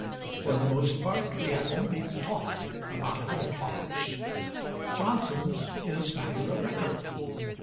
For the most part we have only talk about other talkers. Johnson's is matter of record.